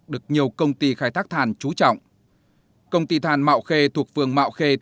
được nhiều công ty khai thác than trú trọng công ty than mạo khê thuộc phường mạo khê